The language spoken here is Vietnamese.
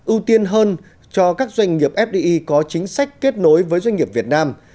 ưu tiên hơn cho các doanh nghiệp fdi có chính sách kết nối với doanh nghiệp việt nam